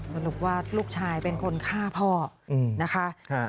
สรุปว่าลูกชายเป็นคนฆ่าพ่อนะคะ